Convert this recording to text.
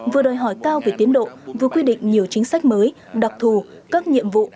vừa đòi hỏi cao về tiến độ vừa quy định nhiều chính sách mới đặc thù các nhiệm vụ